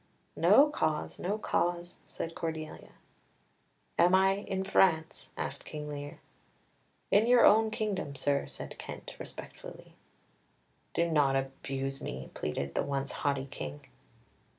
"No cause, no cause," said Cordelia. "Am I in France?" asked Lear. "In your own kingdom, sir," said Kent respectfully. "Do not abuse me," pleaded the once haughty King.